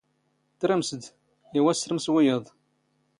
ⵜⵔⵎⵙⴷ! ⵉⵡⴰ ⵙⵙⵔⵎⵙ ⵡⵉⵢⵢⴰⴹ.